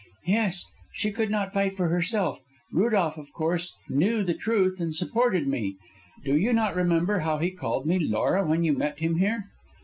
"Yes; she could not fight for herself. Rudolph, of course, knew the truth and supported me. Do you not remember how he called me Laura when you met him here?"